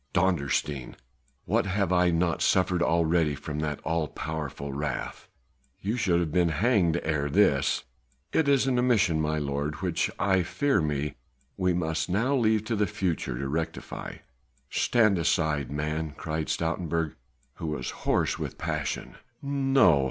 Dondersteen! what have I not suffered already from that all powerful wrath!" "You should have been hanged ere this...." "It is an omission, my lord, which I fear me we must now leave to the future to rectify." "Stand aside, man," cried Stoutenburg, who was hoarse with passion. "No!